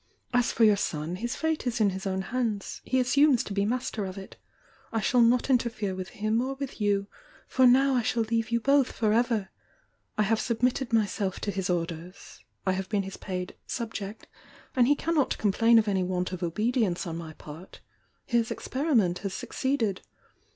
As for your son, his fate is in his own hands; he assumes to be master of it. I shall not interfere with him or with you, — for now I shall leave you both for ever! I have sub mitted myself to his orders, — I have been his paid 'subject,' and he cannot complain of any want of obedience on my part, — his experiment has suc ceeded.